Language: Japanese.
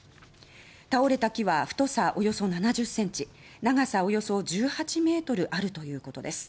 倒れた木は太さおよそ７０ｃｍ長さおよそ１８ｍあるということです。